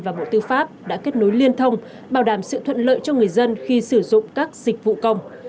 và bộ tư pháp đã kết nối liên thông bảo đảm sự thuận lợi cho người dân khi sử dụng các dịch vụ công